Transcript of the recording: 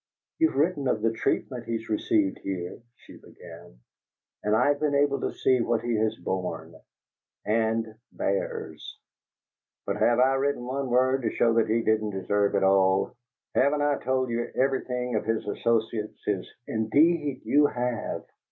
"You've written of the treatment he has received here," she began, "and I've been able to see what he has borne and bears!" "But have I written one word to show that he didn't deserve it all? Haven't I told you everything, of his associates, his " "Indeed you have!"